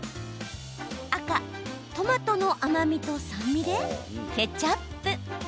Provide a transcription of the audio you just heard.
赤・トマトの甘みと酸味でケチャップ。